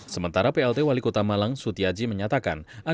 sementara plt wali kota malang sutiaji menyatakan